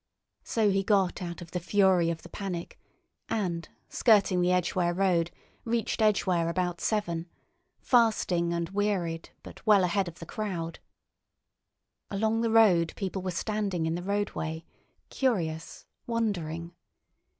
So he got out of the fury of the panic, and, skirting the Edgware Road, reached Edgware about seven, fasting and wearied, but well ahead of the crowd. Along the road people were standing in the roadway, curious, wondering.